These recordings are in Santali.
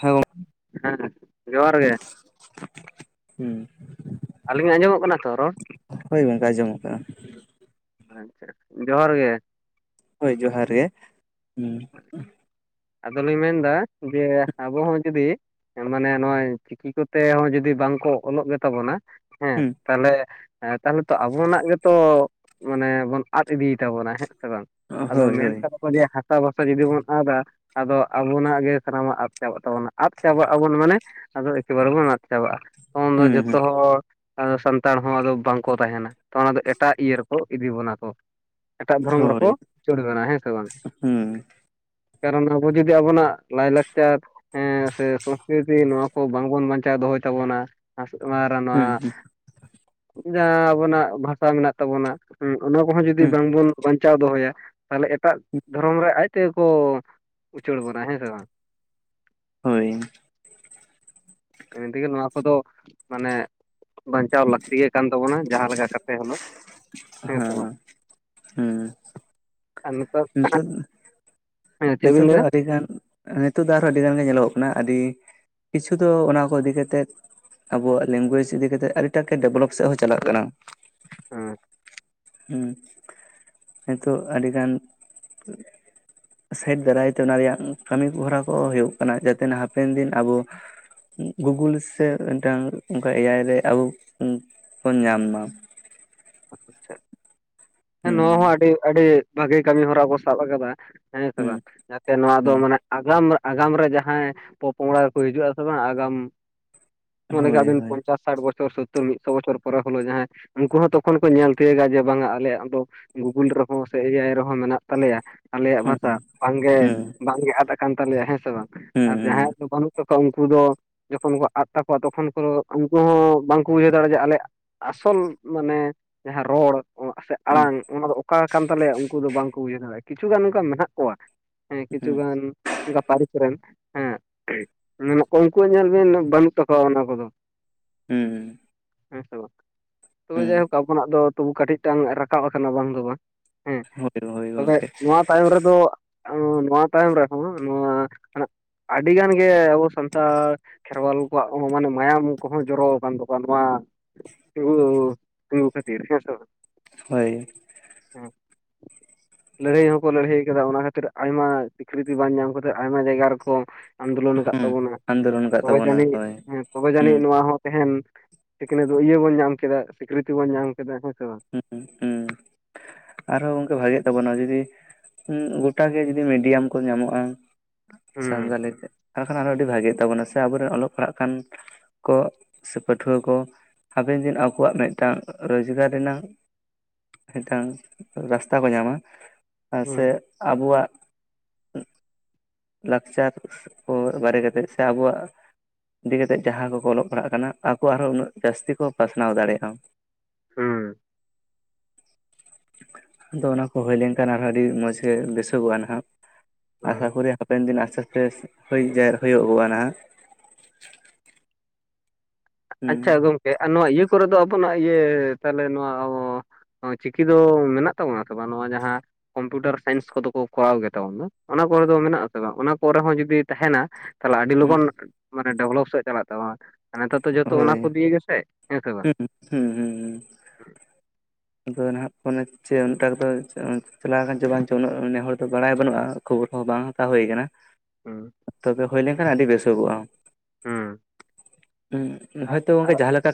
ᱦᱮᱸ ᱜᱚ ᱦᱮᱸ ᱡᱚᱦᱟᱨ ᱜᱮ ᱦᱩᱸ ᱟᱹᱞᱤᱧᱟᱜ ᱟᱸᱡᱚᱢᱚᱜ ᱠᱟᱱᱟ ᱛᱚ ᱨᱚᱲ? ᱦᱳᱭ ᱜᱚᱝᱠᱮ ᱟᱸᱡᱚᱢ ᱠᱟᱱᱟ᱾ ᱟᱪᱪᱷᱟ ᱡᱚᱦᱟᱨ ᱜᱮ ᱦᱳᱭ ᱡᱚᱦᱟᱨ ᱜᱮ ᱦᱮᱸ᱾ ᱟᱫᱚᱞᱤᱧ ᱢᱮᱱᱫᱟ ᱡᱮ ᱟᱵᱚ ᱦᱚᱸ ᱡᱩᱫᱤ ᱢᱟᱱᱮ ᱱᱚᱜᱼᱚᱭ ᱪᱤᱠᱤ ᱠᱚᱛᱮ ᱦᱚᱸ ᱡᱩᱫᱤ ᱵᱟᱝᱠᱚ ᱚᱞᱚᱜ ᱜᱮᱛᱟ ᱵᱚᱱᱟ᱾ ᱦᱩᱸ ᱛᱟᱦᱞᱮ ᱛᱟᱦᱚᱞᱮ ᱛᱚ ᱟᱵᱚᱱᱟᱜ ᱜᱮᱛᱚ ᱢᱟᱱᱮ ᱵᱚᱱ ᱟᱫ ᱤᱫᱤᱭ ᱛᱟᱵᱚᱱᱟ ᱦᱮᱸ ᱥᱮ ᱵᱟᱝ? ᱟᱫᱚ ᱦᱳᱭ ᱢᱮᱱ ᱦᱳᱭ ᱠᱟᱫᱟ ᱠᱚ ᱡᱮ ᱦᱟᱥᱟ ᱵᱷᱟᱥᱟ ᱡᱩᱫᱤ ᱵᱚᱱ ᱟᱫᱟ ᱟᱫᱚ ᱟᱵᱚᱱᱟᱜ ᱜᱮ ᱥᱟᱱᱟᱢᱟᱜ ᱟᱵ ᱪᱟᱵᱟᱜ ᱛᱟᱵᱚᱱᱟ ᱟᱵ ᱪᱟᱵᱟᱜ ᱟᱵᱚᱱ ᱢᱟᱱᱮ᱾ ᱟᱫᱚ ᱮᱠᱮᱵᱟᱨᱮ ᱵᱚᱱ ᱟᱫ ᱪᱟᱵᱟᱜᱼᱟ᱾ ᱛᱚᱠᱷᱚᱱ ᱫᱚ ᱦᱩᱸ ᱡᱚᱛᱚ ᱦᱩᱸ ᱦᱚᱲ ᱟᱫᱚ ᱥᱟᱱᱛᱟᱲ ᱦᱚᱸ ᱟᱫᱚ ᱵᱟᱝᱠᱚ ᱛᱟᱦᱮᱱᱟ ᱛᱚ ᱚᱱᱟ ᱫᱚ ᱮᱴᱟᱜ ᱤᱭᱟᱹ ᱨᱮᱠᱚ ᱤᱫᱤ ᱵᱚᱱᱟ ᱠᱚ᱾ ᱮᱴᱟᱜ ᱫᱷᱚᱨᱚᱢ ᱦᱳᱭ ᱨᱮᱠᱚ ᱩᱪᱟᱹᱲ ᱠᱟᱱᱟ ᱦᱮᱸ ᱥᱮ ᱵᱟᱝ? ᱦᱩᱸ ᱠᱟᱨᱚᱱ ᱵᱚ ᱡᱩᱫᱤ ᱟᱵᱚᱱᱟᱜ ᱞᱟᱭᱼᱞᱟᱠᱪᱟᱨ ᱦᱮᱸ ᱥᱮ ᱥᱚᱝᱥᱠᱨᱤᱛᱤ ᱱᱚᱣᱟ ᱠᱚ ᱵᱟᱝᱵᱚᱱ ᱵᱟᱧᱪᱟᱣ ᱫᱚᱦᱚᱭ ᱛᱟᱵᱚᱱᱟ᱾ [unintelligible] ᱦᱩᱸ ᱡᱟᱦᱟᱸ ᱟᱵᱚᱱᱟᱜ ᱵᱷᱟᱥᱟ ᱢᱮᱱᱟᱜ ᱛᱟᱵᱚᱱᱟ ᱦᱮᱸ ᱚᱱᱟ ᱠᱚᱦᱚᱸ ᱡᱩᱫᱤ ᱦᱩᱸ ᱵᱟᱝᱵᱚᱱ ᱵᱟᱧᱪᱟᱣ ᱫᱚᱦᱚᱭᱟ, ᱛᱟᱦᱞᱮ ᱮᱴᱟᱜ ᱫᱷᱚᱨᱚᱢ ᱨᱮ ᱟᱡ ᱛᱮᱜᱮ ᱠᱚ ᱩᱪᱟᱹᱲ ᱵᱚᱱᱟᱭ ᱦᱮᱸ ᱥᱮ ᱵᱟᱝ ᱦᱳᱭ ᱤᱱᱟᱹ ᱛᱮᱜᱮ ᱱᱚᱣᱟ ᱠᱚᱫᱚ ᱢᱟᱱᱮ ᱵᱟᱧᱪᱟᱣ ᱞᱟᱹᱠᱛᱤ ᱜᱮ ᱠᱟᱱ ᱛᱟᱵᱚᱱᱟ ᱡᱟᱦᱟᱸ ᱞᱮᱠᱟ ᱠᱟᱛᱮ ᱦᱳᱞᱳ ᱦᱮᱸ ᱦᱩᱸ ᱟᱨ ᱱᱮᱛᱚᱜ ᱱᱤᱛᱚᱜ ᱱᱤᱛᱚᱜ ᱫᱚ ᱟᱹᱰᱤᱜᱟᱱ ᱱᱤᱛᱚᱜ ᱫᱚ ᱟᱨᱦᱚᱸ ᱟᱹᱰᱤ ᱜᱟᱱ ᱜᱮ ᱧᱮᱞᱚᱜᱚᱜ ᱠᱟᱱᱟ ᱟᱹᱰᱤ ᱠᱤᱪᱷᱩ ᱫᱚ ᱚᱱᱟ ᱠᱚ ᱤᱫᱤ ᱠᱟᱛᱮᱫ ᱟᱵᱚᱣᱟᱜ ᱞᱮᱝᱜᱩᱭᱮᱡ ᱤᱫᱤ ᱠᱟᱛᱮᱜ ᱟᱹᱰᱤᱴᱟᱜ ᱜᱮ ᱰᱮᱵᱷᱞᱚᱯ ᱥᱮᱜ ᱦᱚᱸ ᱪᱟᱞᱟᱜ ᱠᱟᱱᱟ᱾ ᱦᱮᱸ ᱦᱩᱸ ᱱᱤᱛᱚᱜ ᱟᱹᱰᱤ ᱜᱟᱱ ᱥᱮᱫ ᱫᱟᱨᱟᱭ ᱛᱮ ᱚᱱᱟ ᱨᱮᱭᱟᱜ ᱠᱟᱹᱢᱤ ᱦᱚᱨᱟ ᱠᱚ ᱦᱩᱭᱩᱜ ᱠᱟᱱᱟ ᱡᱟᱛᱮᱱᱟ ᱦᱟᱯᱮᱱ ᱫᱤᱱ ᱟᱵᱚ ᱜᱩᱜᱩᱞ ᱥᱮ ᱢᱤᱴᱟᱝ ᱚᱝᱠᱟ ᱮᱭᱟᱭ ᱨᱮ ᱟᱵᱚ ᱵᱚᱱ ᱧᱟᱢ ᱢᱟ᱾ ᱟᱪᱪᱷᱟ ᱦᱮᱸ ᱱᱚᱣᱟ ᱦᱚᱸ ᱦᱩᱸ ᱟᱹᱰᱤ ᱟᱹᱰᱤ ᱵᱷᱟᱹᱜᱤ ᱠᱟᱹᱢᱤ ᱦᱚᱨᱟ ᱠᱚ ᱥᱟᱵ ᱟᱠᱟᱫᱟ᱾ ᱦᱮᱸ ᱥᱮ ᱦᱩᱸ ᱵᱟᱝ ᱡᱟᱛᱮ ᱱᱚᱣᱟ ᱫᱚ ᱦᱩᱸ ᱢᱟᱱᱮ ᱟᱜᱟᱢ ᱟᱜᱟᱢ ᱨᱮ ᱡᱟᱦᱟᱸᱭ ᱯᱚᱼᱯᱚᱝᱲᱟ ᱠᱚᱠᱚ ᱦᱤᱡᱩᱜ ᱟᱥᱮ ᱵᱟᱝ ᱟᱜᱟᱢ ᱢᱟᱱᱮ ᱦᱳᱭ ᱠᱟᱜᱵᱤᱱ ᱦᱳᱭ ᱯᱚᱸᱪᱟᱥ ᱥᱟᱴ ᱵᱚᱪᱷᱚᱨ ᱥᱳᱛᱚᱨ ᱢᱤᱫᱥᱚ ᱵᱚᱪᱷᱚᱨ ᱯᱚᱨᱮᱳ ᱡᱟᱦᱟᱸᱭ ᱩᱱᱠᱩ ᱦᱚᱸᱛᱚ ᱛᱚᱠᱷᱚᱱ ᱠᱚ ᱧᱮᱞ ᱛᱤᱭᱳᱜᱟ ᱡᱮ ᱵᱟᱝᱟ ᱟᱞᱮᱭᱟᱜ ᱫᱚ ᱜᱩᱜᱩᱞ ᱨᱮᱦᱚᱸ ᱥᱮ ᱮ ᱟᱭ ᱨᱮᱦᱚᱸ ᱢᱮᱱᱟᱜ ᱛᱟᱞᱮᱭᱟ ᱟᱞᱮᱭᱟᱜ ᱦᱩᱸ ᱵᱷᱟᱥᱟ ᱦᱩᱸ ᱵᱟᱝᱜᱮ ᱦᱩᱸ ᱵᱟᱝᱜᱮ ᱟᱫ ᱠᱟᱱ ᱛᱟᱞᱮᱭᱟ ᱦᱮᱸ ᱥᱮ ᱵᱟᱝ ᱦᱩᱸ ᱟᱨ ᱡᱟᱦᱟᱸᱭ ᱫᱚ ᱵᱟᱹᱱᱩᱜ ᱩᱱᱠᱩ ᱫᱚ ᱡᱚᱠᱷᱚᱱ ᱠᱚ ᱟᱫ ᱛᱟᱠᱚᱣᱟ ᱛᱚᱠᱷᱚᱱ ᱠᱚ ᱩᱱᱠᱩ ᱦᱚᱸ ᱵᱟᱝᱠᱚ ᱵᱩᱡᱷᱟᱹᱣ ᱫᱟᱲᱮᱭᱟᱜᱼᱟ ᱡᱮ ᱟᱞᱮᱭᱟᱜ ᱟᱥᱚᱞ ᱢᱟᱱᱮ ᱡᱟᱦᱟᱸ ᱨᱚᱲ ᱥᱮ ᱦᱩᱸ ᱟᱲᱟᱝ ᱚᱱᱟ ᱫᱚ ᱚᱠᱟ ᱠᱟᱱ ᱛᱟᱞᱮᱭᱟ ᱩᱱᱠᱩ ᱫᱚ ᱵᱟᱝᱠᱚ ᱵᱩᱡᱷᱟᱹᱣ ᱫᱟᱲᱮᱭᱟᱜᱼᱟ ᱠᱤᱪᱷᱩ ᱜᱟᱱ ᱚᱱᱠᱟ ᱢᱮᱱᱟᱜ ᱠᱚᱣᱟ ᱦᱮᱸ ᱠᱤᱪᱷᱩ ᱜᱟᱱ ᱚᱱᱠᱟ ᱯᱟᱹᱨᱤᱥ ᱨᱮᱱ ᱦᱮᱸ ᱢᱮᱱ ᱩᱱᱠᱩᱣᱟᱜ ᱧᱮᱞ ᱵᱤᱱ ᱵᱟᱹᱱᱩᱜ ᱛᱟᱠᱚᱣᱟ ᱚᱱᱟ ᱠᱚᱫᱚ ᱦᱩᱸᱦᱩᱸ ᱦᱮᱸᱥᱮ ᱵᱟᱝ ᱛᱚᱵᱮ ᱡᱟᱭᱦᱳᱠ ᱟᱵᱚᱱᱟᱜ ᱛᱚᱵᱩ ᱠᱟᱹᱴᱤᱡᱴᱟᱝ ᱨᱟᱠᱟᱵ ᱟᱠᱟᱱᱟ ᱵᱟᱝ ᱫᱚ ᱵᱟᱝ ᱦᱮᱸ ᱦᱳᱭ ᱦᱳᱭ ᱛᱚᱵᱮ ᱜᱚᱝᱠᱮ ᱱᱚᱣᱟ ᱛᱟᱭᱚᱢ ᱨᱮᱫᱚ ᱱᱚᱣᱟ ᱛᱟᱭᱚᱢ ᱨᱮ ᱱᱚᱣᱟ ᱟᱹᱰᱤ ᱜᱟᱱ ᱜᱮ ᱟᱵᱚ ᱥᱛ ᱠᱷᱮᱨᱣᱟᱞ ᱠᱚᱣᱟᱜ ᱦᱚᱸ ᱢᱟᱱᱮ ᱢᱟᱭᱟᱢ ᱠᱚᱦᱚᱸ ᱡᱚᱨᱚ ᱟᱠᱟᱱ ᱛᱟᱠᱚᱣᱟ ᱱᱚᱣᱟ [unintelligible] ᱠᱷ ᱛᱮᱥ ᱦᱳᱭ ᱦᱮᱸ ᱞᱟᱹᱲᱦᱟᱹᱭ ᱦᱚᱸᱠᱚ ᱞᱟᱹᱲᱦᱟᱹᱭ ᱟᱠᱟᱫᱟ ᱚᱱᱟ ᱠᱷᱟᱹᱛᱤᱨ ᱟᱭᱢᱟ ᱥᱤᱠᱨᱤᱛᱤ ᱵᱟᱝ ᱧᱟᱢ ᱠᱟᱛᱮᱫ ᱟᱭᱢᱟ ᱡᱟᱭᱜᱟ ᱨᱮᱠᱚ ᱟᱱᱫᱳᱞᱚᱱ ᱟᱠᱟᱫ ᱦᱩᱸ ᱛᱟᱵᱚᱱᱟ ᱟᱱᱫᱳᱞᱚᱱ ᱠᱟᱜ ᱛᱚᱵᱮ ᱛᱟᱵᱚᱱᱟ ᱡᱟᱹᱱᱤᱡ ᱦᱳᱭ ᱛᱚᱵᱮ ᱦᱩᱸ ᱡᱟᱹᱱᱤᱡ ᱱᱚᱣᱟ ᱦᱚᱸ ᱛᱟᱦᱮᱱ ᱥᱤᱠᱷᱱᱟᱹᱛ ᱫᱚ ᱤᱭᱟᱹ ᱵᱚᱱ ᱧᱟᱢ ᱠᱮᱫᱟ ᱥᱤᱠᱨᱤᱛᱤ ᱵᱚᱱ ᱧᱟᱢ ᱠᱮᱫᱟ ᱦᱮᱸ ᱥᱮ ᱵᱟᱝ ᱦᱩᱸ ᱦᱩᱸ, ᱟᱨᱦᱚᱸ ᱜᱚᱝᱠᱮ ᱵᱷᱟᱜᱮᱜ ᱛᱟᱵᱚᱱᱟ ᱡᱩᱫᱤ ᱜᱚᱴᱟᱜᱮ ᱡᱩᱫᱤ ᱢᱤᱰᱤᱭᱟᱢ ᱠᱚ ᱧᱟᱢᱚᱜᱼᱟ ᱦᱩᱸ ᱥᱟᱱᱛᱟᱞᱤ ᱛᱮ ᱛᱠᱷᱟᱱ ᱟᱨᱚ ᱟᱹᱰᱤ ᱵᱷᱟᱜᱤᱜ ᱛᱟᱵᱚᱱᱟ ᱥᱮ ᱟᱵᱚᱨᱮᱱ ᱚᱞᱚᱜ ᱯᱟᱲᱦᱟᱜ ᱠᱟᱱ ᱠᱚ ᱥᱮ ᱯᱟᱹᱴᱷᱩᱣᱟᱹ ᱠᱚ ᱦᱟᱯᱮᱱ ᱫᱤᱱ ᱟᱠᱚᱣᱟᱜ ᱢᱤᱫᱴᱟᱝ ᱨᱚᱡᱽᱜᱟᱨ ᱨᱮᱱᱟᱜ ᱢᱤᱫᱴᱟᱝ ᱨᱟᱥᱛᱟ ᱠᱚ ᱧᱟᱢᱟ ᱟᱨ ᱦᱩᱸ ᱥᱮ ᱟᱵᱚᱣᱟᱜ ᱞᱟᱠᱪᱟᱨ ᱠᱚ ᱵᱟᱨᱮ ᱠᱟᱛᱮᱫ ᱥᱮ ᱟᱵᱚᱣᱟᱜ ᱤᱫᱤ ᱠᱟᱛᱮᱫ ᱡᱟᱦᱟᱸ ᱠᱚᱠᱚ ᱚᱞᱚᱜ ᱯᱟᱲᱦᱟᱜ ᱠᱟᱱᱟ ᱟᱠᱚ ᱟᱨᱦᱚᱸ ᱩᱱᱟᱹᱜ ᱡᱟᱹᱥᱛᱤ ᱠᱚ ᱯᱟᱥᱱᱟᱣ ᱫᱟᱲᱮᱭᱟᱜᱼᱟ ᱦᱩᱸ ᱟᱫᱚ ᱚᱱᱟ ᱠᱚ ᱦᱩᱭ ᱞᱮᱱᱠᱷᱟᱱ ᱟᱨᱦᱚᱸ ᱟᱹᱰᱤ ᱢᱚᱸᱡᱽ ᱜᱮ ᱵᱮᱥᱚᱜᱚᱜᱼᱟ ᱱᱟᱦᱟᱜ ᱦᱩᱸ ᱟᱥᱟ ᱠᱚᱨᱮ ᱦᱟᱯᱮᱱ ᱫᱤᱱ ᱟᱥᱛᱮ ᱟᱥᱛᱮ ᱡᱨ ᱦᱩᱭᱩᱜᱼᱟ ᱱᱟᱦᱟᱜ ᱦᱩᱸ ᱟᱪᱷᱟ ᱜᱚᱝᱠᱮ ᱟᱨ ᱱᱚᱣᱟ ᱤᱭᱟᱹ ᱠᱚᱨᱮ ᱫᱚ ᱟᱵᱚᱱᱟᱜ ᱤᱭᱟᱹ ᱛᱟᱦᱞᱮ ᱱᱚᱣᱟ ᱪᱤᱠᱤ ᱫᱚ ᱢᱮᱱᱟᱜ ᱛᱟᱵᱚᱱᱟ ᱥᱮ ᱵᱟᱝ ᱱᱚᱣᱟ ᱡᱟᱦᱟᱸ ᱠᱚᱢᱯᱤᱭᱩᱴᱟᱨ ᱥᱟᱭᱤᱱᱥ ᱠᱚᱫᱚ ᱠᱚ ᱠᱚᱨᱟᱣ ᱜᱮᱛᱟᱟᱵᱚᱱ ᱫᱚ ᱚᱱᱟ ᱠᱚᱨᱮ ᱫᱚ ᱢᱮᱱᱟᱜ ᱟᱥᱮ ᱵᱟᱝ ᱚᱱᱟ ᱠᱚᱨᱮ ᱦᱚᱸ ᱡᱩᱫᱤ ᱛᱟᱦᱮᱱᱟ ᱛᱟᱦᱞᱮ ᱟᱹᱰᱤ ᱦᱩᱸ ᱞᱚᱜᱚᱱ ᱢᱟᱱᱮ ᱰᱮᱵᱷᱞᱚᱯ ᱥᱮᱫ ᱪᱟᱞᱟᱜ ᱛᱟᱵᱚᱱᱟ ᱱᱤᱛᱚᱜ ᱛᱚ ᱦᱳᱭ ᱦᱸ ᱦᱸ ᱦᱸ ᱦᱸ ᱟᱫᱚ ᱱᱟᱦᱟᱜ ᱠᱷᱚᱱ ᱪᱮ ᱩᱱᱟᱹᱜ ᱴᱟᱠᱟᱫᱚ ᱪᱟᱞᱟᱣ ᱟᱠᱟᱱ ᱪᱚ ᱵᱟᱝ ᱪᱚ ᱩᱱᱟᱹᱜᱮ ᱦᱚᱲ ᱫᱚ ᱵᱟᱲᱟᱭ ᱵᱟᱹᱱᱩᱜᱼᱟ ᱠᱷᱚᱵᱚᱨ ᱦᱚᱸ ᱵᱟᱝ ᱦᱟᱛᱟᱣ ᱦᱩᱭ ᱟᱠᱟᱱᱟ ᱦᱩᱸ ᱛᱚᱵᱮ ᱦᱩᱭ ᱞᱮᱱ ᱠᱷᱟᱱ ᱟᱹᱰᱤ ᱵᱮᱥᱚᱜᱼᱟ ᱾ ᱦᱩᱸ᱾ ᱦᱚᱭᱛᱚ ᱟᱨ ᱜᱟᱢᱠᱮ ᱡᱟᱦᱟᱸ ᱞᱮᱠᱟ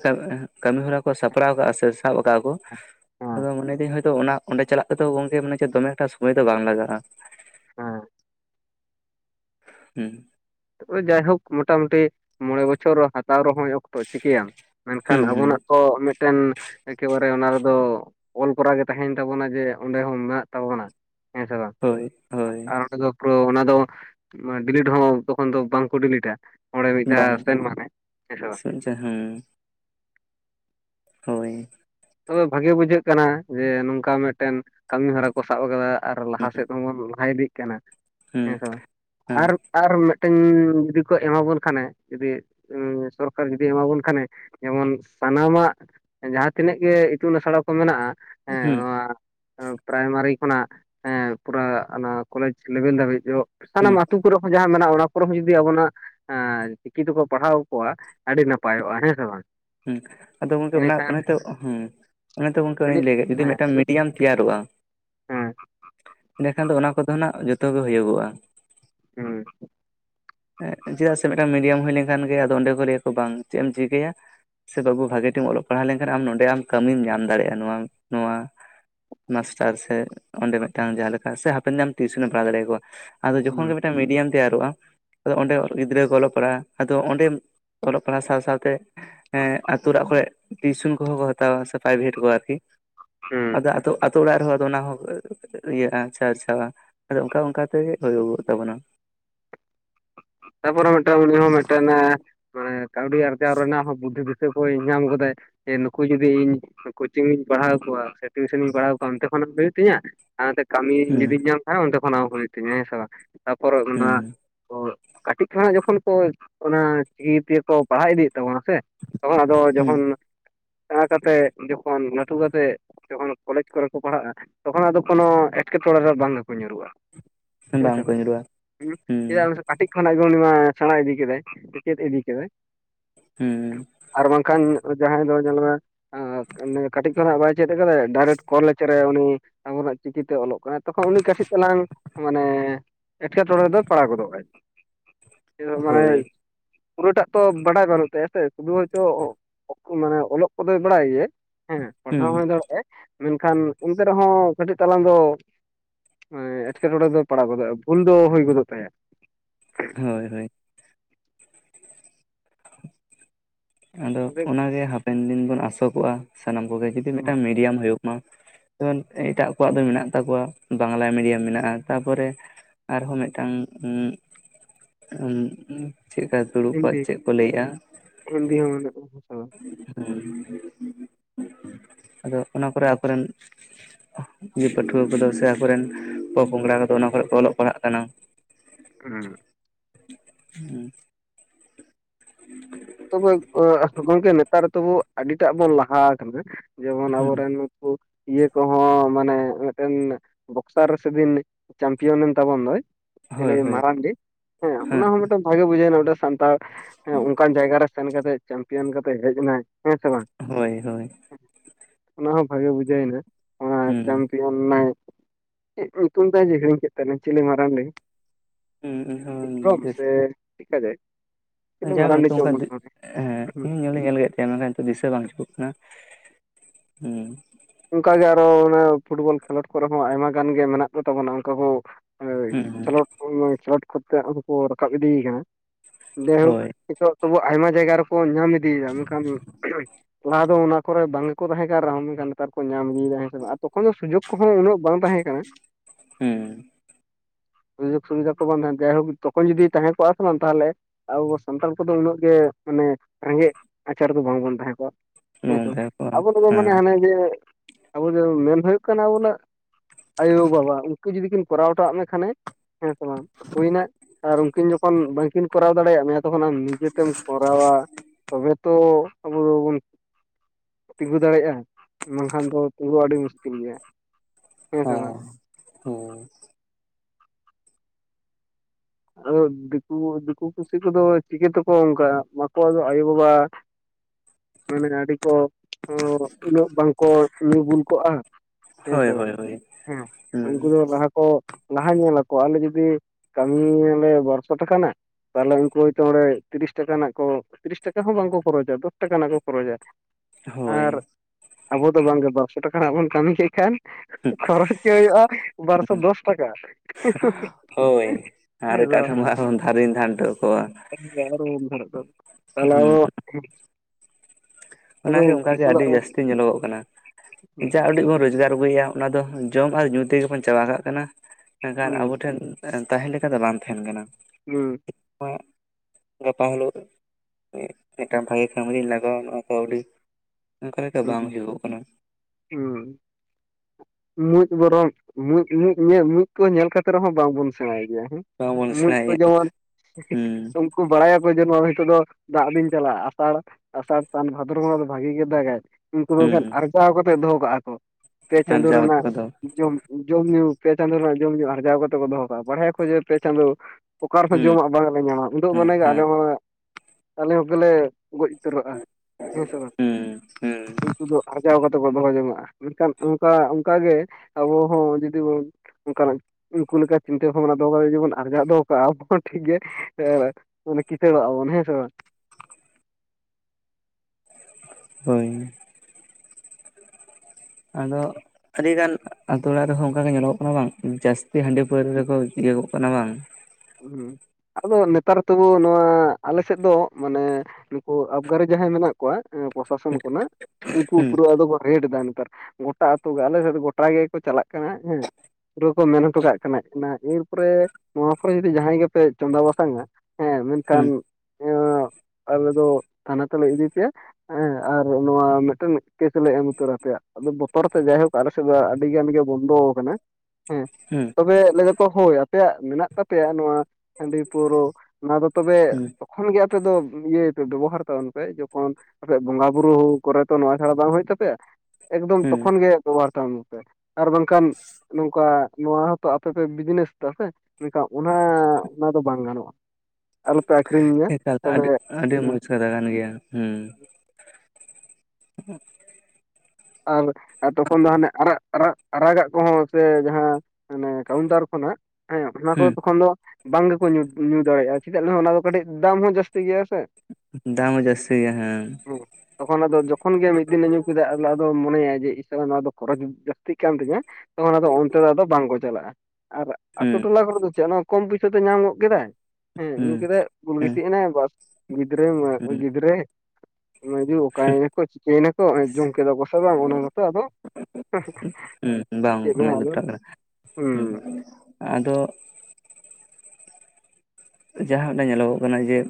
ᱠᱟᱹᱢᱤ ᱦᱚᱨᱟ ᱠᱚ ᱥᱟᱯᱲᱟᱣ ᱟᱠᱟᱫᱼᱟ ᱥᱮ ᱥᱟᱵ ᱟᱠᱟᱟᱜᱼᱟ ᱠᱚ ᱦᱮᱸ ᱟᱫᱚ ᱢᱚᱱᱮᱫᱟᱹᱧ ᱦᱚᱭᱛᱚ ᱚᱱᱟ ᱚᱸᱰᱮ ᱪᱟᱞᱟᱜ ᱛᱮᱫᱚ ᱜᱚᱝᱠᱮ ᱢᱮ ᱫᱚᱢᱮᱠᱴᱟ ᱥᱚᱢᱚᱭ ᱫᱚ ᱵᱟᱝ ᱞᱟᱜᱟᱜᱼᱟ ᱦᱸ ᱦᱩᱸ ᱛᱚᱵ ᱡᱟᱭᱦᱳᱠ ᱢᱳᱚᱴᱟᱢᱩᱴᱤ ᱢᱚᱬᱮ ᱵᱚᱪᱷᱚᱨ ᱦᱟᱛᱟᱣ ᱨᱮᱦᱚᱸᱭ ᱚᱠᱛᱚ ᱪᱤᱠᱟᱹᱭᱟᱢ ᱢᱮᱱᱠᱷᱟᱱ ᱦᱩᱸ ᱦᱩᱸ ᱟᱵᱚᱱᱟᱜ ᱢᱤᱫᱴᱮᱱ ᱮᱠᱮᱵᱟᱨᱮ ᱚᱱᱟ ᱨᱮᱫᱚ ᱚᱞ ᱠᱚᱨᱟ ᱜᱮ ᱛᱟᱦᱮᱭ ᱛᱟᱵᱚᱱᱟ ᱡᱮ ᱚᱸᱰᱮ ᱦᱚᱸ ᱢᱮᱱᱟᱜ ᱛᱟᱵᱚᱱᱟ ᱦᱮᱸ ᱥᱮ ᱵᱟᱝ ᱦᱳᱭ ᱦᱳᱭ ᱟᱨ ᱚᱸᱰᱮ ᱫᱚ ᱯᱩᱨᱟᱹ ᱚᱱᱟ ᱫᱚ ᱰᱤᱞᱤᱤᱴ ᱦᱚᱸ ᱛᱚᱠᱷᱚᱱ ᱫᱚ ᱵᱟᱝᱠᱚ ᱰᱤᱞᱤᱤᱴᱼᱟ ᱵᱟᱝ ᱥᱮ ᱡᱟᱦᱟ ᱦᱳᱭ ᱾ ᱛᱚᱵᱮ ᱵᱷᱟᱜᱤ ᱵᱩᱡᱷᱟᱹᱜ ᱠᱟᱱᱟ ᱡᱮ ᱱᱚᱝᱠᱟ ᱢᱤᱫᱴᱮᱱ ᱠᱟᱹᱢᱤ ᱦᱚᱨᱟ ᱠᱚ ᱥᱟᱵ ᱟᱠᱟᱫᱟ ᱾ ᱟᱨ ᱞᱟᱦᱟ ᱦᱩᱸ ᱥᱮᱫ ᱦᱚᱸᱵᱚᱱ ᱞᱟᱦᱟ ᱤᱫᱤᱜ ᱠᱟᱱᱟ ᱦᱩᱸ ᱦᱮᱸ ᱥᱮ ᱵᱟᱝ ᱟᱨ ᱟᱨ ᱢᱤᱫᱴᱮᱱ ᱡᱩᱫᱤ ᱠᱚ ᱮᱢᱟᱵᱚᱱ ᱠᱷᱟᱱᱮ ᱡᱩᱫᱤ ᱥᱚᱨᱠᱟᱨ ᱡᱩᱫᱤ ᱮᱢᱟ ᱵᱚᱱ ᱠᱷᱟᱱᱮ ᱡᱮᱢᱚᱱ ᱥᱟᱱᱟᱢᱟᱜ ᱡᱟᱦᱟᱸ ᱛᱤᱱᱟᱹᱜ ᱜᱮ ᱤᱛᱩᱱ ᱟᱹᱥᱲᱟ ᱠᱚ ᱢᱮᱱᱟᱜᱼᱟ ᱦᱮᱸ᱾ ᱦᱟᱸ ᱯᱨᱟᱭᱢᱟᱨᱤ ᱠᱷᱚᱱᱟᱜ ᱦᱮᱸ ᱯᱩᱨᱟ ᱚᱱᱟ ᱠᱚᱞᱮᱡᱽ ᱞᱮᱵᱮᱞ ᱫᱷᱟᱹᱵᱤᱡ ᱫᱚ ᱥᱟᱱᱟᱢ ᱦᱩᱸ ᱟᱛᱩ ᱠᱚᱨᱮ ᱦᱚᱸ ᱡᱟᱦᱟᱸ ᱢᱟᱱᱮ ᱚᱱᱟᱜ ᱠᱚᱨᱮ ᱦᱚᱸ ᱡᱩᱫᱤ ᱟᱵᱚᱱᱟᱜ ᱪᱤᱠᱤ ᱛᱮ ᱠᱚ ᱯᱟᱲᱦᱟᱣ ᱠᱚᱣᱟ ᱟᱹᱰᱤ ᱱᱟᱯᱟᱭᱚᱜᱼᱟ ᱦᱮᱸ ᱥᱮ ᱵᱟᱝ? ᱦᱮᱸ ᱟᱫᱚ ᱜᱚᱝᱠᱮ ᱟᱵᱮᱱᱟᱜ ᱮᱸᱰᱮᱠᱷᱟᱱ ᱠᱟᱹᱢᱤ ᱦᱸ ᱚᱱᱮ ᱛᱚ ᱜᱚᱝᱠᱮ ᱦᱮᱸ ᱞᱤᱧ ᱞᱟᱹᱭᱮ ᱡᱩᱫᱤ ᱢᱤᱫᱴᱟᱝ ᱢᱤᱰᱤᱭᱟᱢ ᱛᱮᱭᱟᱨᱚᱜᱼᱟ ᱾ ᱦᱮᱸ ᱮᱸᱰᱮᱠᱷᱟᱱ ᱫᱚ ᱚᱱᱟ ᱠᱚᱫᱚ ᱦᱟᱸᱜ ᱡᱚᱛᱚ ᱜᱮ ᱦᱩᱭᱩᱜᱚᱜᱼᱟ ᱾ ᱦᱩᱸ ᱾ ᱪᱮᱫᱟᱜ ᱥᱮ ᱢᱤᱫᱴᱟᱝ ᱢᱤᱰᱤᱭᱟᱢ ᱦᱩᱭ ᱞᱮᱱ ᱠᱷᱟᱱ ᱜᱮ ᱟᱫᱚ ᱚᱸᱰᱮ ᱠᱷᱚᱱ ᱞᱟᱹᱭᱟ ᱠᱚ ᱵᱟᱝ ᱪᱮᱫ ᱮᱢ ᱪᱤᱠᱟᱹᱭᱟ? ᱥᱮ ᱵᱟᱹᱵᱩ ᱵᱷᱟᱜᱤ ᱴᱷᱮᱢ ᱚᱞᱚᱜ ᱯᱟᱲᱦᱟᱣ ᱞᱮᱱ ᱠᱷᱟᱱ ᱟᱢ ᱱᱚᱰᱮ ᱟᱢ ᱠᱟᱹᱢᱤᱢ ᱧᱟᱢ ᱫᱟᱲᱮᱭᱟᱜᱼᱟ ᱱᱚᱣᱟ ᱱᱚᱣᱟ ᱾ ᱢᱟᱥᱴᱟᱨ ᱥᱮ ᱚᱸᱰᱮ ᱢᱤᱫᱴᱟᱝ ᱡᱟᱦᱟᱸ ᱞᱮᱠᱟ ᱥᱮ ᱦᱟᱯᱮᱱ ᱟᱢ ᱴᱤᱭᱩᱥᱚᱱᱮᱢ ᱯᱟᱲᱦᱟᱣ ᱫᱟᱲᱮᱭᱟ ᱠᱚᱣᱟ ᱾ ᱟᱫᱚ ᱡᱚᱠᱷᱚᱱ ᱦᱮᱸ ᱜᱮ ᱢᱤᱫᱴᱟᱝ ᱢᱤᱰᱤᱭᱟᱢ ᱛᱮᱭᱨᱚᱜᱼᱟ ᱟᱫᱚ ᱚᱸᱰᱮ ᱜᱤᱫᱽᱟᱹ ᱠᱚ ᱚᱞᱚᱜ ᱚᱞᱚᱜ ᱯᱟᱲᱦᱟᱜ ᱟᱫᱚ ᱚᱸᱰᱮ ᱚᱞᱚᱜ ᱯᱟᱲᱦᱟᱜ ᱥᱟᱶ ᱥᱟᱶᱛ ᱮᱛ ᱟᱛᱩ ᱚᱲᱟᱜ ᱠᱚᱨᱮ ᱴᱤᱭᱩᱥᱚᱱ ᱠᱚᱦᱚᱸ ᱠᱚ ᱦᱟᱛᱟᱣᱟ ᱥᱮ ᱯᱨᱟᱭᱵᱷᱮᱴ ᱠᱚ ᱟᱨᱠᱤ ᱦᱩᱸ ᱾ ᱟᱫᱚ ᱟᱛᱳ ᱟᱛᱳ ᱚᱲᱟᱜ ᱨᱮᱦᱚᱸ ᱚᱱᱟ ᱦᱚᱸ ᱤᱭᱟ-ᱟ ᱟᱪᱷᱟ ᱟᱪᱷᱟ ᱾ ᱟᱫᱚ ᱚᱱᱠᱟ ᱚᱱᱠᱟ ᱛᱮ ᱜᱮ ᱦᱩᱭᱩᱜ ᱛᱟᱵᱚᱱᱟ ᱛᱟᱯᱚᱨᱮ ᱢᱤᱫᱴᱟᱝ ᱩᱱᱤ ᱦᱚᱸ ᱢᱤᱫᱴᱟᱝ ᱦᱮᱸ ᱠᱟᱹᱣᱰᱤ ᱟᱨᱡᱟᱣ ᱨᱮᱱᱟᱜ ᱦᱚᱸ ᱵᱩᱫᱽᱫᱷᱤ ᱫᱤᱥᱟᱹ ᱠᱚ ᱧᱟᱢ ᱜᱚᱫᱟᱭ ᱡᱮ ᱱᱩᱠᱩ ᱡᱩᱫᱤ ᱤᱧ ᱠᱳᱪᱤᱝ ᱤᱧ ᱯᱟᱲᱦᱟᱣ ᱠᱚᱣᱟ ᱥᱮ ᱴᱤᱭᱩᱥᱚᱱ ᱤᱧ ᱯᱟᱲᱦᱟᱣ ᱠᱚᱣᱟ ᱚᱱᱛᱮ ᱠᱷᱚᱱ ᱦᱚᱸ ᱦᱩᱭᱩᱜ ᱛᱤᱧᱟᱹ ᱾ ᱱᱚᱛᱮ ᱠᱟᱹᱢᱤ ᱦᱩᱸ ᱡᱩᱫᱤᱧ ᱧᱟᱢ ᱠᱷᱟᱡ ᱚᱱᱛᱮ ᱠᱷᱚᱱ ᱦᱩᱭᱩᱜ ᱛᱤᱧᱟ ᱦᱮᱸ ᱥᱮ ᱵᱟᱝ ᱛᱟᱯᱚᱨᱮ ᱩᱱ ᱫᱚ ᱦᱟᱸᱜ ᱦᱩᱸ ᱠᱟᱹᱴᱤᱡ ᱠᱷᱚᱱᱟᱜ ᱡᱚᱠᱷᱚᱱ ᱠᱚ ᱚᱱᱟ ᱪᱤᱠᱤ ᱛᱤᱭᱳ ᱠᱚ ᱯᱟᱲᱦᱟᱣ ᱤᱫᱤᱭᱮᱫ ᱛᱟᱵᱚᱱᱟ ᱥᱮ ᱛᱚᱠᱷᱚᱱ ᱟᱫᱚ ᱡᱚᱠᱷᱚᱱ ᱥᱮᱲᱟ ᱠᱟᱛᱮ ᱡᱚᱠᱷᱚᱱ ᱞᱟᱹᱴᱩ ᱠᱟᱛᱮ ᱾ ᱡᱚᱠᱷᱚᱱ ᱠᱚᱞᱮᱡᱽ ᱠᱚᱨᱮ ᱠᱚ ᱯᱟᱲᱦᱟᱜᱼᱟ ᱛᱚᱠᱷᱚᱱ ᱟᱫᱚ ᱠᱚᱱᱳ ᱮᱴᱠᱮᱴᱚᱬᱮ ᱨᱮ ᱵᱟᱝ ᱜᱮ ᱠᱚ ᱧᱩᱨᱩᱜᱼᱟ ᱾ ᱦᱮ ᱦᱩᱸ ᱵᱟᱝ ᱠᱚ ᱧᱩᱨᱩᱜᱼᱟ [unintelligible] ᱦᱩᱸ ᱥᱟᱨᱦᱟᱣ ᱾ ᱠᱷᱚᱱᱟᱜ ᱜᱮ ᱩᱱᱤ ᱢᱟ ᱥᱮᱬᱟ ᱤᱫᱤ ᱠᱮᱫᱟᱭ ᱪᱮᱫ ᱤᱫᱤ ᱠᱮᱫᱟᱭ ᱦᱩᱸ ᱾ ᱟᱨ ᱵᱟᱝ ᱠᱷᱟᱱ ᱡᱟᱦᱟᱸᱭ ᱫᱚ ᱧᱮᱞ ᱢᱮ ᱠᱟᱹᱴᱤᱡ ᱠᱷᱚᱱᱟᱜ ᱵᱟᱭ ᱪᱮᱫ ᱟᱠᱟᱫᱟ ᱰᱟᱭᱨᱮᱠᱴ ᱠᱚᱞᱮ ᱪᱮᱫ ᱩᱱᱤ ᱟᱵᱚ ᱪᱤᱠᱤ ᱛᱮ ᱚᱞᱚᱜ ᱠᱟᱱᱟ ᱛᱚᱠᱷᱚᱱ ᱩᱱᱤ ᱠᱟᱹᱴᱤᱡ ᱛᱮᱞᱟᱝ ᱢᱟᱱᱮ ᱮᱴᱠᱮᱴᱚᱬᱮ ᱨᱮᱫᱚ ᱯᱟᱲᱟᱣ ᱜᱚᱫᱚᱜ ᱟᱭ ᱢᱟᱱᱮ ᱦᱳᱭ ᱯᱩᱨᱟᱹᱴᱟᱜ ᱛᱚ ᱵᱟᱰᱟᱭ ᱜᱟᱱᱚᱜ ᱛᱟᱭᱟ ᱥᱮ ᱦᱮᱸ ᱥᱩᱫᱷᱩ ᱦᱚᱭᱛᱳ ᱢᱟᱱᱮ ᱚᱞᱚᱜ ᱠᱚᱫᱚᱭ ᱵᱟᱲᱟᱭ ᱜᱮᱭᱟ ᱾ ᱦᱩᱸ ᱦᱮᱸ ᱾ ᱮ ᱢᱮᱱᱠᱷᱟᱱ ᱚᱱᱛᱮ ᱨᱮᱦᱚᱸ ᱠᱟᱹᱴᱤᱡ ᱛᱟᱞᱟᱝ ᱫᱚ ᱢᱟᱱᱮ ᱮᱴᱠᱮᱴᱚᱬᱮ ᱫᱚ ᱯᱟᱲᱟᱣ ᱜᱚᱫᱚᱜᱼᱟ ᱵᱷᱩᱞ ᱫᱚ ᱦᱩᱭ ᱜᱚᱫᱚᱜ ᱛᱟᱭᱟ ᱾ ᱦᱳᱭ ᱦᱳᱭ ᱾ ᱟᱫᱚ ᱚᱱᱟ ᱜᱮ ᱦᱟᱯᱮᱱ ᱫᱤᱱ ᱵᱚᱱ ᱟᱥᱚᱜᱚᱜᱼᱟ ᱥᱟᱱᱟᱢ ᱠᱚᱜᱮ ᱡᱩᱫᱤ ᱢᱤᱫᱴᱟᱱ ᱢᱤᱰᱤᱭᱟᱢ ᱦᱩᱭᱩᱜ ᱢᱟ ᱾ ᱡᱮᱢᱚᱱ ᱮᱴᱟᱜ ᱠᱚᱣᱟᱜ ᱫᱚ ᱢᱮᱱᱟᱜ ᱛᱟᱠᱚᱣᱟ ᱵᱟᱝᱞᱟ ᱢᱤᱰᱤᱭᱟᱢ ᱢᱮᱱᱟᱜᱼᱟ ᱛᱟᱯᱚᱨᱮ ᱟᱨᱦᱚᱸ ᱢᱤᱫᱴᱟᱝ ᱩ ᱩ ᱪᱮᱫ ᱠᱟ ᱛᱩᱲᱩᱠ ᱠᱚᱣᱟᱜ ᱦᱤᱱᱫᱤ ᱪᱮᱫ ᱠᱚ ᱞᱟᱹᱭᱮᱜᱼᱟ? ᱦᱤᱱᱫᱤ ᱦᱚᱸ ᱢᱮᱱᱟᱜ ᱛᱟᱠᱚ [unintelligible] ᱟᱫᱚ ᱚᱱᱟ ᱠᱚᱨᱮ ᱟᱠᱚᱨᱮᱱ ᱯᱟᱹᱴᱷᱩᱣᱟᱹ ᱠᱚᱫᱚ ᱥᱮ ᱟᱠᱚᱨᱮᱱ ᱯᱚᱼᱯᱚᱝᱲᱟ ᱠᱚᱫᱚ ᱚᱱᱟ ᱠᱚᱨᱮ ᱠᱚ ᱚᱞᱚᱜ ᱯᱟᱲᱦᱟᱜ ᱠᱟᱱᱟ ᱦᱚᱸ ᱦᱩᱸ [inaudible] ᱛᱚᱵᱮ ᱚ ᱜᱚᱝᱠᱮ ᱱᱮᱛᱟᱨ ᱛᱵᱩ ᱟᱹᱰᱤᱴᱟᱜ ᱵᱚᱱ ᱞᱟᱦᱟ ᱠᱟᱱᱟ ᱡᱮᱢᱚᱱ ᱟᱵᱚᱨᱮᱱ ᱤᱭᱟᱹ ᱠᱚᱦᱚᱸ ᱢᱟᱱᱮ ᱢᱤᱫᱴᱟᱹᱱ ᱵᱚᱠᱥᱟᱨ ᱥᱮᱫᱤᱱ ᱪᱟᱢᱯᱤᱭᱚᱱᱮᱱ ᱛᱟᱵᱚᱱ ᱫᱚᱭ ᱦᱳᱭ ᱪᱤᱞᱤ ᱦᱳᱭ ᱢᱟᱨᱟᱱᱰᱤ ᱦᱮᱸ ᱚᱱᱟ ᱦᱚᱸ ᱢᱤᱫᱴᱟᱹᱱ ᱵᱷᱟᱜᱮ ᱵᱩᱡᱷᱟᱹᱣᱱᱟ ᱢᱤᱴᱟᱹᱱ ᱥᱟᱱᱛᱟᱲ ᱡᱟᱭᱜᱟ ᱨᱮ ᱥᱮᱱ ᱠᱟᱛᱮᱜ ᱪᱟᱢᱯᱤᱭᱟᱹᱱ ᱠᱟᱛᱮᱜ ᱦᱮᱡ ᱱᱟᱭ ᱦᱮᱸ ᱥᱮ ᱵᱟᱝ ᱦᱳᱭ ᱦᱳᱭ [inaudible] ᱚᱱᱟ ᱦᱚᱸ ᱵᱷᱟᱜᱤ ᱵᱩᱡᱷᱟᱹᱭᱱᱟ ᱚᱱᱟ ᱪᱟᱢ ᱦᱩᱸ ᱡᱤᱭᱚᱱ ᱱᱟᱭ ᱪᱮᱫ ᱧᱩᱛᱩᱢ ᱛᱟᱭ ᱡᱮ ᱦᱤᱲᱤᱧ ᱠᱮᱜ ᱛᱟᱭᱟ ᱞᱤᱧ ᱪᱤᱞᱤ ᱢᱟᱨᱟᱱᱰᱤ ᱵᱤᱠᱨᱚᱢ ᱥᱮ [unintelligible] ᱡᱮ [unintelligible] ᱦᱮᱸ ᱪᱤᱞᱤ ᱤᱧ ᱢᱟᱨᱟᱱᱰᱤ ᱪᱚ ᱚᱱᱟ ᱫᱚ ᱦᱮᱸ ᱦᱚᱸ ᱧᱮᱞ ᱫᱩᱧ ᱧᱮᱞ ᱠᱟᱫ ᱢᱮᱠᱷᱟᱱ ᱱᱤᱛᱚᱜ ᱫᱤᱥᱟᱹ ᱵᱟᱝ ᱦᱤᱡᱩᱜᱚᱜ ᱠᱟᱱᱟ ᱦᱩᱸ ᱚᱝᱠᱟᱜᱮ ᱟᱨᱚ ᱚᱱᱟ ᱯᱷᱩᱴᱵᱚᱞ ᱠᱷᱮᱞᱚᱴ ᱠᱚᱨᱮ ᱦᱚᱸ ᱟᱭᱢᱟ ᱜᱟᱱ ᱜᱮ ᱢᱮᱱᱟᱜ ᱠᱚ ᱛᱟᱵᱚᱱᱟ ᱚᱝᱠᱟ ᱦᱚᱸ ᱦᱳᱭ ᱦᱩᱸ ᱦᱩᱸ ᱠᱷᱮᱞᱳᱴ ᱚᱸ ᱠᱷᱮᱞᱳᱴ ᱠᱚᱨᱛᱮ ᱦᱚᱸᱠᱚ ᱨᱟᱠᱟᱵ ᱤᱫᱤᱭ ᱠᱟᱱᱟ ᱡᱟᱹᱭᱦᱩᱠ ᱦᱳᱭ ᱱᱤᱛᱚᱜ ᱛᱚᱵᱚ ᱟᱭᱢᱟ ᱡᱟᱭᱜᱟ ᱨᱮᱠᱚ ᱧᱟᱢ ᱤᱫᱤᱭᱼᱭᱟ ᱢᱮᱠᱷᱟᱱ ᱞᱟᱦᱟ ᱫᱚ ᱚᱱᱟ ᱠᱚᱨᱮ ᱵᱟᱝ ᱜᱮᱠᱚ ᱛᱟᱦᱮᱸ ᱠᱟᱱᱟ ᱨᱮᱦᱚᱸ ᱢᱮᱠᱷᱟᱱ ᱱᱮᱛᱟᱨ ᱠᱚ ᱧᱟᱢ ᱤᱫᱤᱭᱫᱟ ᱦᱮᱸ ᱟ ᱛᱚᱠᱷᱚᱱ ᱫᱚ ᱥᱩᱡᱳᱜᱽ ᱠᱚᱦᱚᱸ ᱩᱱᱟᱹᱜ ᱵᱟᱝ ᱛᱟᱦᱮᱸ ᱠᱟᱱᱟ [inaudible] ᱦᱩᱸ ᱥᱩᱡᱳᱜᱽ ᱥᱩᱵᱤᱫᱷᱟ ᱠᱚ ᱵᱟᱝ ᱛᱟᱦᱮᱱ ᱡᱟᱭᱦᱳᱠ ᱛᱚᱠᱷᱚᱱ ᱡᱩᱫᱤ ᱛᱟᱦᱮᱸ ᱠᱚᱜᱼᱟ ᱥᱮ ᱵᱟᱝ ᱛᱟᱦᱞᱮ ᱟᱵᱚ ᱥᱟᱱᱛᱟᱲ ᱠᱚᱫᱚ ᱱᱩᱱᱟᱹᱜ ᱜᱮ ᱢᱟᱱᱮ ᱨᱮᱸᱜᱮᱜ ᱟᱪᱟᱨ ᱫᱚ ᱵᱟᱝᱵᱚᱱ ᱛᱟᱦᱮᱸ ᱠᱚᱜᱼᱟ ᱱᱚᱜᱼᱚ ᱦᱮᱸ ᱥᱮ ᱱᱚᱝᱠᱟ ᱠᱚ ᱟᱵᱚ ᱫᱚᱵᱚ ᱢᱚᱱᱮ ᱦᱮᱸ ᱦᱟᱱᱮ ᱡᱮ ᱟᱵᱚ ᱡᱮ ᱢᱮᱱ ᱦᱩᱭᱩᱜ ᱠᱟᱱᱟ ᱟᱵᱚᱱᱟᱜ ᱟᱭᱳᱼᱵᱟᱵᱟ ᱩᱝᱠᱩ ᱡᱩᱫᱤ ᱠᱤᱱ ᱠᱚᱨᱟᱣ ᱦᱚᱴᱚᱣᱟᱜ ᱢᱮ ᱠᱷᱟᱱᱮ ᱦᱮᱸᱥᱮ ᱵᱟᱝ ᱦᱩᱭᱱᱟ ᱟᱨ ᱩᱱᱠᱤᱱ ᱡᱚᱠᱷᱚᱱ ᱵᱟᱝᱠᱤᱱ ᱠᱚᱨᱟᱣ ᱫᱟᱲᱮᱭᱟᱜ ᱢᱮᱭᱟ ᱛᱚᱠᱷᱚᱱ ᱟᱢ ᱱᱤᱡᱮᱛᱮᱢ ᱠᱚᱨᱟᱣᱟ ᱛᱚᱵᱮ ᱛᱚ ᱟᱵᱚ ᱫᱚᱵᱚᱱ ᱛᱤᱸᱜᱩ ᱫᱟᱲᱮᱭᱜᱼᱟ ᱵᱟᱝᱠᱷᱟᱱ ᱫᱚ ᱛᱤᱜᱩᱸ ᱟᱹᱰᱤ ᱢᱩᱥᱠᱤᱞ ᱜᱮᱭᱟ ᱥᱮ ᱦᱮᱸ ᱵᱟᱝ ᱦᱮᱸ ᱟᱫᱚ ᱫᱤᱠᱩ ᱫᱤᱠᱩ ᱯᱩᱥᱤ ᱠᱚᱫᱚ ᱪᱤᱠᱟᱹ ᱛᱮᱠᱚ ᱚᱝᱠᱟ ᱟᱠᱚᱣᱟᱜ ᱫᱚ ᱟᱭᱳᱼᱵᱟᱵᱟ ᱢᱟᱱᱮ ᱟᱹᱰᱤ ᱠᱚ ᱚᱻ ᱩᱱᱟᱹᱜ ᱵᱟᱝᱠᱚ ᱧᱩ ᱵᱩᱞ ᱠᱚᱜᱼᱟ ᱦᱮᱸ ᱥᱮ ᱵᱟᱝ ᱦᱳᱭ ᱦᱮᱸ ᱩᱝᱠᱩ ᱫᱚ ᱞᱟᱦᱟ ᱠᱚ ᱞᱟᱦᱟ ᱧᱮᱞᱟᱠᱚ ᱟᱞᱮ ᱡᱩᱫᱤ ᱱᱤᱭᱟᱹᱞᱮ ᱵᱟᱨᱥᱚ ᱴᱟᱠᱟ ᱨᱮᱱᱟᱜ ᱛᱟᱞᱦᱮ ᱩᱝᱠᱩ ᱦᱚᱭᱛ ᱚᱸᱰᱮ ᱛᱤᱨᱤᱥ ᱴᱟᱠᱟ ᱨᱮᱱᱟᱜ ᱠᱚ ᱛᱤᱨᱤᱥ ᱴᱟᱠᱟ ᱦᱚᱸ ᱵᱟᱝᱠᱚ ᱠᱷᱚᱨᱚᱪᱟ ᱫᱚᱥ ᱴᱟᱠᱟ ᱨᱮᱱᱟᱜ ᱠᱚ ᱠᱷᱚᱨᱚᱪᱟ ᱦᱳᱭ ᱦᱳᱭ ᱟᱨ ᱟᱵᱚ ᱫᱚ ᱵᱟᱝᱜᱮ ᱵᱟᱨᱥᱚ ᱴᱟᱠᱟ ᱱᱟᱸᱜ ᱵᱚᱱ ᱠᱟᱢᱤ ᱠᱮᱜ ᱠᱷᱟᱱ ᱠᱷᱚᱨᱚᱼᱪᱚ ᱦᱩᱭᱩᱜᱼᱟ ᱵᱟᱨᱥᱚ ᱫᱚᱥ ᱴᱟᱠᱟ ᱦᱳᱭ ᱦᱮᱸ ᱟᱨ ᱥᱮ ᱮᱴᱟᱜ ᱵᱟᱝ ᱴᱷᱮᱱ ᱟᱨᱦᱚᱸ ᱫᱷᱟᱨᱮᱧ ᱫᱷᱟᱱᱴᱟᱹᱣ ᱠᱚᱜᱼᱟ [unintelligible] ᱛᱟᱞᱦᱮ ᱦᱩᱸ ᱟ [unintelligible] ᱚᱱᱟᱜᱮ ᱚᱝᱠᱟᱜ ᱜᱮ ᱟᱰᱤ ᱡᱟᱥᱛᱤ ᱧᱮᱞᱚᱜᱚᱜ ᱠᱟᱱᱟ ᱦᱩᱸ ᱡᱟ ᱩᱰᱤᱜ ᱵᱚᱱ ᱨᱳᱡᱽᱜᱟᱨ ᱟᱹᱜᱩᱭᱮᱜᱼᱟ ᱚᱱᱟ ᱫᱚ ᱡᱚᱢ ᱟᱨ ᱧᱩ ᱛᱮᱜᱮ ᱵᱚᱱ ᱪᱟᱵᱟ ᱠᱟᱜ ᱠᱟᱱᱟ ᱢᱮᱠᱷᱟᱱ ᱦᱩᱸ ᱟᱵᱚ ᱴᱷᱮᱱ ᱛᱟᱦᱮᱸ ᱞᱮᱠᱟ ᱫᱚ ᱵᱟᱝ ᱛᱟᱦᱮᱸᱱ ᱠᱟᱱᱟ ᱦᱩᱸ ᱜᱟ-ᱜᱟᱯᱟ ᱦᱤᱞᱳᱜ ᱢᱤ-ᱢᱤᱫᱴᱟᱝ ᱵᱷᱟᱹᱭ ᱠᱟᱹᱢᱤ ᱞᱟᱜᱟᱣ ᱱᱚ-ᱚᱭ ᱦᱳᱭ ᱚᱝᱠᱟ ᱞᱮᱠᱟ ᱵᱟᱝ ᱦᱩᱭᱩᱜᱚᱜ ᱠᱟᱱᱟ ᱦᱩᱸ ᱢᱩᱸᱡ ᱵᱚᱨᱚᱱ ᱢᱩᱸᱡᱼᱢᱩᱸᱡ ᱧᱮ ᱢᱩᱸᱡᱽ ᱠᱚ ᱧᱮᱞ ᱠᱟᱛᱮ ᱨᱮᱦᱚᱸ ᱵᱟᱝᱵᱚᱱ ᱥᱮᱬᱟᱭ ᱜᱮᱭᱟ ᱦᱮᱸ ᱵᱟᱝᱵᱚᱱ ᱢᱩᱸᱡ ᱠᱚ ᱥᱮᱬᱟᱭᱮᱫᱼᱟ ᱡᱮᱢᱚᱱ ᱦᱩᱸ [unintelligible] ᱠᱩ ᱵᱟᱲᱟᱭᱟ ᱠᱚ ᱡᱮ ᱱᱚᱣᱟ ᱦᱤᱛᱚᱜ ᱫᱚ ᱫᱟᱜ ᱫᱤᱱ ᱪᱟᱞᱟᱜᱼᱟ ᱟᱥᱟᱲ ᱟᱥᱟᱲ ᱥᱟᱱ ᱵᱷᱟᱫᱚᱨ ᱵᱚᱸᱜᱟ ᱫᱚ ᱵᱷᱟᱜᱤ ᱜᱮ ᱫᱟᱜᱟᱭ ᱩᱝᱠᱩ ᱦᱩᱸ ᱵᱟᱠᱷᱟᱱ ᱟᱨᱡᱟᱣ ᱠᱟᱛᱮᱫ ᱫᱚᱦᱚ ᱠᱟᱜᱼᱟ ᱠᱚ ᱯᱮ ᱪᱟᱸᱫᱳ ᱟᱨᱡᱟᱣ ᱨᱮᱱᱟᱜ ᱠᱚᱫᱚ ᱡᱚᱢ ᱡᱚᱢ ᱧᱩ ᱯᱮ ᱪᱟᱸᱫᱳ ᱨᱮᱱᱟᱜ ᱡᱚᱢ ᱧᱩ ᱟᱨᱡᱟᱣ ᱠᱟᱛᱮ ᱠᱚ ᱫᱚᱦᱚ ᱠᱟᱜᱼᱟ ᱵᱲᱦᱟᱭᱟᱠᱳ ᱡᱮ ᱯᱮ ᱪᱟᱸᱫᱳ ᱚᱠᱟᱨ ᱨᱮᱦᱚᱸ ᱦᱩᱸ ᱡᱚᱢᱟᱜ ᱵᱟᱝᱞᱮ ᱧᱟᱢᱟ ᱩᱸᱫᱚᱜ ᱦᱩᱸ ᱢᱟᱱᱮ ᱦᱮᱸ ᱟᱞᱮ ᱢᱟ ᱟᱞᱮ ᱜᱮᱦᱚᱸᱞᱮ ᱜᱚᱡ ᱛᱚ ᱨᱩᱜᱼᱟ ᱦᱮᱸ ᱥᱮ ᱵᱟᱝ ᱦᱩᱸ ᱦᱩᱸ ᱩᱱᱠᱩ ᱫᱚ ᱟᱨᱡᱟᱣ ᱠᱟᱛᱮ ᱠᱚ ᱫᱚᱦᱚ ᱡᱚᱝᱟᱜᱼᱟ, ᱢᱮᱱᱠᱷᱟᱱ ᱚᱱᱠᱟ ᱚᱱᱠᱟᱜᱮ ᱟᱵᱚ ᱦᱚᱸ ᱡᱩᱫᱤ ᱵᱚᱱ ᱚᱱᱠᱟᱱᱟᱜ ᱩᱱᱠᱩ ᱞᱮᱠᱟ ᱪᱤᱱᱛᱟᱹ ᱵᱷᱟᱵᱱᱟ ᱫᱚᱦᱚ ᱠᱟᱛᱮ ᱡᱩᱫᱤ ᱵᱚᱱ ᱟᱨᱡᱟᱣ ᱫᱚᱦᱚ ᱠᱟᱜᱼᱟ ᱴᱷᱤᱠ ᱜᱮ ᱩᱱ ᱠᱤᱸᱥᱟᱹᱲ ᱚᱜ ᱟᱵᱚᱱ ᱦᱮᱸ ᱥᱮ ᱵᱟᱝ ᱦᱳᱭ ᱟᱫᱚ ᱟᱹᱰᱤ ᱜᱟᱱ ᱟᱛᱩ ᱚᱲᱟᱜ ᱨᱮᱦᱚᱸ ᱚᱱᱠᱟ ᱜᱮ ᱧᱮᱞᱚᱜ ᱠᱟᱱᱟ ᱵᱟᱝ ᱡᱟᱹᱥᱛᱤ ᱦᱟᱺᱰᱤ ᱯᱟᱹᱣᱨᱟᱹ ᱨᱮᱠᱚ ᱤᱭᱟ ᱠᱚᱜ ᱠᱟᱱᱟ ᱵᱟᱝ ᱦᱩᱸ ᱟᱫᱚ ᱱᱮᱛᱟᱨ ᱛᱩᱵᱚ ᱱᱚᱣᱟ ᱟᱞᱮ ᱥᱮᱫ ᱫᱚ ᱢᱟᱱᱮ ᱱᱩᱠᱩ ᱟᱵᱜᱟᱨᱤ ᱡᱟᱦᱟᱸᱭ ᱢᱮᱱᱟᱜ ᱠᱚᱣᱟ ᱯᱨᱚᱥᱟᱥᱚᱱ ᱠᱷᱚᱱᱟᱜ ᱩᱱᱠᱩ ᱦᱩᱸ ᱯᱩᱨᱟᱹᱫᱚ ᱠᱚ ᱨᱮᱴ ᱮᱫᱟ ᱱᱮᱛᱟᱨ ᱜᱚᱴᱟ ᱟᱹᱛᱩ ᱜᱮ ᱟᱞᱮ ᱥᱮᱫ ᱫᱚ ᱜᱚᱴᱟ ᱜᱮᱠᱚ ᱪᱟᱞᱟᱜ ᱠᱟᱱᱟ ᱦᱮᱸ ᱯᱩᱨᱟᱹ ᱠᱚ ᱢᱮᱱ ᱦᱚᱴᱚ ᱠᱟᱜ ᱠᱟᱱᱟ ᱚᱱᱟ ᱮᱨᱯᱚᱨᱮ ᱮᱨᱯᱚᱨᱮ ᱡᱩᱫᱤ ᱡᱟᱦᱟᱸᱭ ᱜᱮᱯᱮ ᱪᱚᱸᱫᱟ ᱵᱟᱥᱟᱝᱟ ᱦᱮᱸ ᱢᱮᱱᱠᱷᱟᱱ ᱦᱩᱸ ᱮ ᱟᱞᱮ ᱫᱚ ᱛᱷᱟᱱᱟ ᱛᱮᱞᱮ ᱤᱫᱤ ᱯᱮᱭᱟ, ᱦᱮᱸ ᱟᱨ ᱱᱚᱣᱟ ᱢᱤᱫᱴᱮᱱ [unintelligible] ᱞᱮ ᱮᱢ ᱩᱛᱟᱹᱨ ᱟᱯᱮᱭᱟ ᱟᱫᱚ ᱵᱚᱛᱚᱨ ᱛᱮ ᱡᱟᱭᱦᱳᱠ ᱟᱞᱮ ᱥᱮᱫᱟᱜ ᱟᱹᱰᱤ ᱜᱟᱱ ᱜᱮ ᱵᱚᱱᱫᱚ ᱟᱠᱟᱱᱟ ᱦᱮᱸ ᱦᱩᱸ ᱛᱚᱵᱮ ᱞᱟᱹᱭ ᱫᱟᱠᱚ ᱦᱳᱭ ᱟᱯᱮᱭᱟᱜ ᱢᱮᱱᱟᱜ ᱛᱟᱯᱮᱭᱟ ᱱᱚᱣᱟ ᱦᱟᱺᱰᱤ ᱯᱟᱹᱣᱨᱟᱹᱣ ᱚᱱᱟ ᱫᱚ ᱛᱚᱵᱮ ᱦᱩᱸ ᱛᱚᱠᱷᱚᱱ ᱜᱮ ᱟᱯᱮ ᱫᱚ ᱤᱭᱟᱹ ᱯᱮ ᱵᱮᱵᱚᱦᱟᱨ ᱛᱟᱵᱚᱱ ᱯᱮ ᱡᱚᱠᱷᱚᱱ ᱟᱯᱮ ᱭᱟᱜ ᱵᱚᱸᱜᱟ ᱵᱩᱨᱩ ᱠᱚᱨᱮ ᱛᱚ ᱱᱚᱣᱟ ᱪᱷᱟᱲᱟ ᱵᱟᱝ ᱦᱩᱭᱩᱜ ᱛᱟᱯᱮᱭᱟ ᱮᱠᱫᱚᱢ ᱦᱩᱸ ᱛᱚᱠᱷᱚᱱ ᱜᱮ ᱵᱮᱵᱚᱦᱟᱨ ᱛᱟᱵᱚᱱ ᱯᱮ ᱟᱨ ᱵᱟᱝᱠᱷᱟᱱ ᱱᱚᱝᱠᱟ ᱱᱚᱣᱟ ᱦᱚᱸ ᱛᱚ ᱟᱯᱮᱯᱮ ᱵᱤᱡᱽᱱᱮᱥ ᱫᱟ ᱥᱮ ᱢᱮᱱᱠᱷᱟᱱ ᱚᱱᱟ, ᱚᱱᱟ ᱫᱚ ᱵᱟᱝ ᱜᱟᱱᱚᱜᱼᱟ ᱟᱞᱚᱯᱮ ᱟᱠᱷᱨᱤᱧᱟ ᱛᱚᱵᱮ ᱦᱮᱸ [unintelligible] [unintelligible] ᱟᱨ ᱛᱚᱠᱷᱚᱱ ᱫᱚ ᱦᱟᱱᱮ ᱟᱨᱟᱜ ᱟᱨᱟᱜ ᱟᱨᱟᱜᱟᱜ ᱠᱚᱦᱚᱸ ᱥᱮ ᱡᱟᱦᱟᱸ ᱦᱟᱱᱮ ᱠᱟᱣᱩᱱᱴᱟᱨ ᱠᱷᱚᱱᱟᱜ ᱦᱮᱸ ᱚᱱᱟ ᱦᱩᱸ ᱠᱚᱫᱚ ᱛᱚᱠᱷᱚᱱ ᱫᱚ ᱵᱟᱝ ᱜᱮᱠᱚ ᱧᱩᱸ ᱧᱩᱸ ᱫᱟᱲᱮᱭᱟᱜᱼᱟ ᱪᱮᱫᱟᱜ ᱚᱱᱟ ᱫᱚ ᱠᱟᱹᱴᱤᱡ ᱫᱟᱢ ᱦᱚᱸ ᱡᱟᱹᱥᱛᱤ ᱜᱮᱭᱟ ᱥᱮ ᱫᱟᱢ ᱦᱚᱸ ᱡᱟᱹᱥᱛᱤ ᱜᱤᱭᱟ ᱦᱮᱸ ᱛᱚᱠᱷᱚᱱ ᱟᱫᱚ ᱡᱚᱠᱷᱚᱱ ᱜᱮ ᱢᱤᱫ ᱫᱤᱱᱮ ᱧᱩ‍ᱸ ᱠᱮᱫᱟ ᱟᱫᱚ ᱟᱫᱚ ᱢᱚᱱᱮᱭᱟᱭ ᱡᱮ ᱤᱥᱟᱞᱟ ᱱᱚᱣᱟ ᱫᱚ ᱠᱷᱚᱨᱚᱪ ᱡᱟᱹᱥᱛᱤᱜ ᱠᱟᱱ ᱛᱤᱧᱟ ᱛᱚ ᱚᱱᱟᱫᱚ ᱚᱱᱛᱮ ᱫᱚ ᱟᱫᱚ ᱵᱟᱝᱠᱚ ᱪᱟᱞᱟᱜᱼᱟ ᱟᱨ ᱦᱩᱸ ᱟᱹᱛᱩ ᱴᱚᱞᱟ ᱠᱚᱨᱮ ᱫᱚ ᱪᱮᱫ ᱚᱱᱟ ᱠᱚᱢ ᱯᱚᱭᱥᱟ ᱛᱮ ᱧᱟᱢ ᱜᱚᱫ ᱠᱮᱫᱟᱭ ᱦᱮᱸ ᱦᱩᱸ ᱧᱩ ᱠᱮᱫᱟᱭ ᱵᱩᱞ ᱦᱩᱸ ᱜᱤᱛᱤᱡ ᱮᱱᱟᱭ ᱵᱟᱥ ᱜᱤᱫᱽᱨᱟᱹ ᱦᱩᱸ ᱜᱤᱫᱽᱨᱟᱹᱭ [unintelligible] ᱚᱠᱟᱭᱮᱱᱟ ᱠᱚ ᱪᱤᱠᱟᱹᱭᱮᱱᱟᱠᱚ ᱡᱚᱢ ᱠᱮᱫᱟ ᱠᱚ ᱥᱮ ᱵᱟᱝ ᱚᱱᱟ ᱠᱟᱛᱮ ᱟᱫᱚ [unintelligible] ᱪᱮᱫ ᱦᱚᱸ ᱟᱫᱚ ᱦᱩᱸ ᱟᱫᱚ ᱡᱟᱦᱟᱸ ᱢᱤᱫᱴᱟᱝ ᱧᱮᱞᱚᱜᱚᱜ ᱠᱟᱱᱟ ᱡᱮ